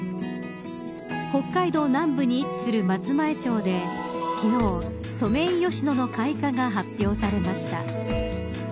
北海道南部に位置する松前町で昨日、ソメイヨシノの開花が発表されました。